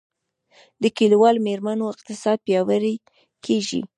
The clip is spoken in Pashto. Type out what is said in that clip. د کلیوالي میرمنو اقتصاد پیاوړی کیږي